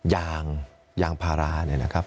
ยางยางพาราเนี่ยนะครับ